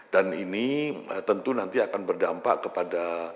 dan ini tentu nanti akan berdampak kepada